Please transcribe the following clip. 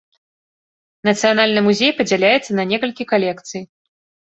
Нацыянальны музей падзяляецца на некалькі калекцый.